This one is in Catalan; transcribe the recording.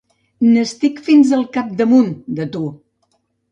N'estic fins al capdamunt, de tu!